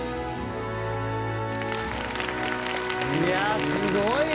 いやすごい！